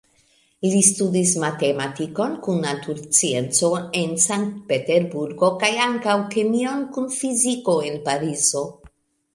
Li studis matematikon kun naturscienco en Sankt-Peterburgo, kaj ankaŭ kemion kun fiziko en Parizo.